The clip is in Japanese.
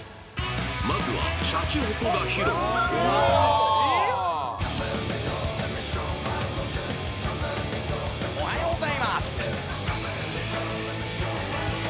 まずはシャチホコが披露おはようございます